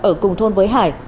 ở cùng thôn với hải